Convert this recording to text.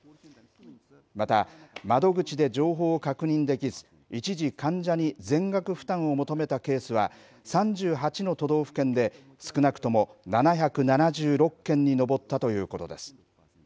また窓口で情報を確認できず、一時、患者に全額負担を求めたケースは、３８の都道府県で少なくとも７７６件に上ったということです。